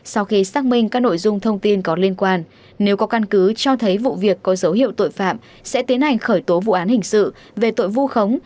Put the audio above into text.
sau khi xác minh các nội dung thông tin có liên quan nếu có căn cứ cho thấy vụ việc có dấu hiệu tội phạm sẽ tiến hành khởi tố vụ án hình sự về tội vu khống